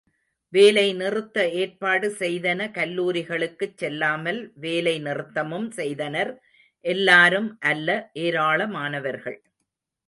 வேலை நிறுத்த ஏற்பாடு செய்தன கல்லூரிகளுக்குச் செல்லாமல், வேலை நிறுத்தமும் செய்தனர் எல்லாரும் அல்ல ஏராளமானவர்கள்.